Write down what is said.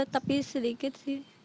tapi sedikit sih